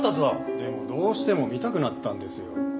でもどうしても見たくなったんですよ。